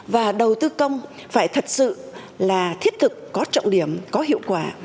và đầu tư công phải thật sự là thiết thực có trọng điểm có hiệu quả